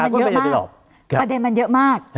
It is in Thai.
คือจริงประเด็นมันเยอะมาก